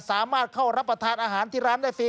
สามารถเข้ารับประทานอาหารที่ร้านได้ฟรี